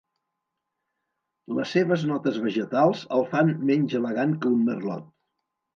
Les seves notes vegetals el fan menys elegant que un Merlot.